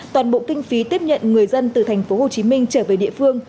toàn bộ kinh phí tiếp nhận người dân từ thành phố hồ chí minh trở về địa phương